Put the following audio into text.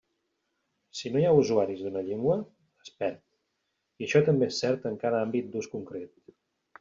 Si no hi ha usuaris d'una llengua, es perd, i això també és cert en cada àmbit d'ús concret.